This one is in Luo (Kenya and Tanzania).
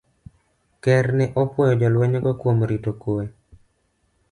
Ker ne opwoyo jolwenygo kuom rito kuwe